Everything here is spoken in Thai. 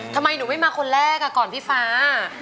ทำไมหนูไม่มาคนแรกก่อนพี่ฟ้า